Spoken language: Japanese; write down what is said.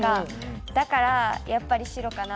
だからやっぱり白かなって。